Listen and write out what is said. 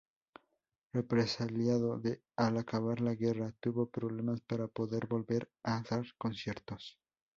Represaliado al acabar la guerra, tuvo problemas para poder volver a dar conciertos.